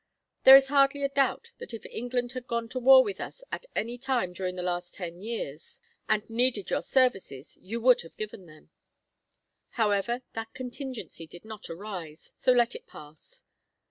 There is hardly a doubt that if England had gone to war with us at any time during the last ten years and needed your services you would have given them. However, that contingency did not arise, so let it pass.